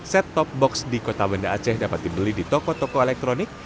set top box di kota banda aceh dapat dibeli di toko toko elektronik